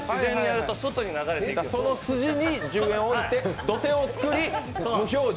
その筋に１０円を置いて、土手を作り、無表情。